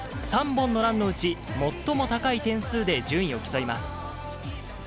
３本のランのうち、最も高い点数で順位を競います。